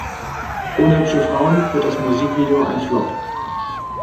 Ohne hübsche Frauen wird das Musikvideo ein Flop.